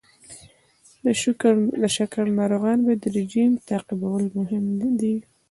د شکر ناروغان باید رژیم تعقیبول مهم دی.